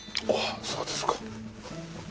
あっそうですか。